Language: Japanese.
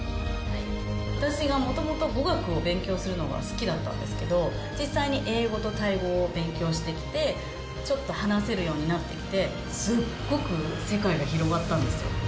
私がもともと、語学を勉強するのが好きだったんですけど、実際に英語とタイ語を勉強してきて、ちょっと話せるようになってきて、すっごく世界が広がったんですよ。